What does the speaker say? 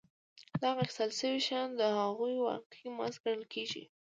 دغه اخیستل شوي شیان د هغوی واقعي مزد ګڼل کېږي